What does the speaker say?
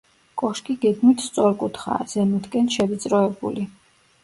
კოშკი გეგმით სწორკუთხაა, ზემოთკენ შევიწროებული.